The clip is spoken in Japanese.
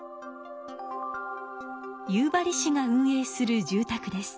夕張市が運営する住たくです。